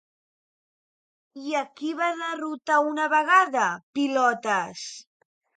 I a qui va derrotar una vegada, Pilotes?